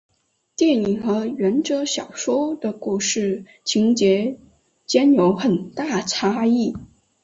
电影和原着小说的故事情节间有很大差异。